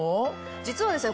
実はですね